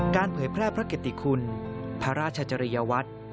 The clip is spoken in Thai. เผยแพร่พระเกติคุณพระราชจริยวัตร